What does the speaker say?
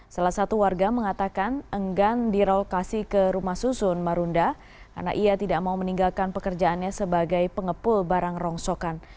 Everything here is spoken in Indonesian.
salah satu warga mengatakan enggan direlokasi ke rumah susun marunda karena ia tidak mau meninggalkan pekerjaannya sebagai pengepul barang rongsokan